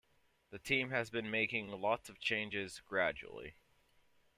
The team has been making lots of changes gradually.